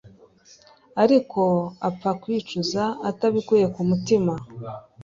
Ariko apfa kwicuza atabikuye ku mutima